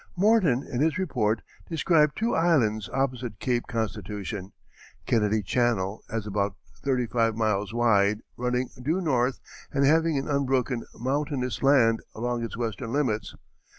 Morton, in his report, described two islands opposite Cape Constitution; Kennedy Channel as about thirty five miles wide, running due north and having an unbroken mountainous land along its western limits.